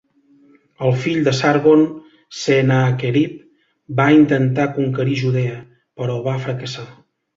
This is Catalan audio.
El fill de Sargon, Sennàquerib, va intentar conquerir Judea, però va fracassar.